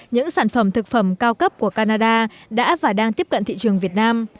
những sản phẩm thực phẩm cao cấp của canada đã và đang tiếp cận thị trường việt nam